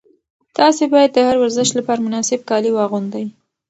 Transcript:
تاسي باید د هر ورزش لپاره مناسب کالي واغوندئ.